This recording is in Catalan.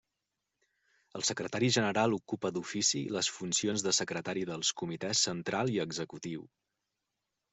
El Secretari General ocupa d'ofici les funcions de secretari dels Comitès Central i Executiu.